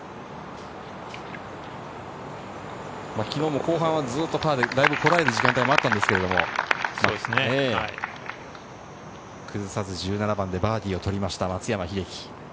昨日も後半は、ずっとパーでこらえる時間もあったんですけれども、崩さず１７番でバーディーを取りました、松山英樹。